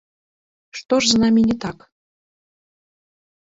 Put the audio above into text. Што ж з намі не так?